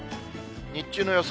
日中の予想